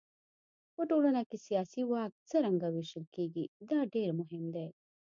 په ټولنه کې سیاسي واک څرنګه وېشل کېږي دا ډېر مهم دی.